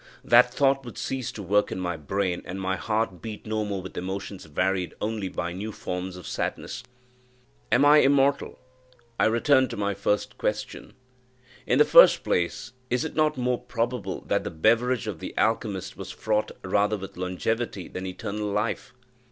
that thought would cease to work in my brain, and my heart beat no more with emotions varied only by new forms of sadness! Am I immortal? I return to my first question. In the first place, is it not more probably that the beverage of the alchymist was fraught rather with longevity than eternal life?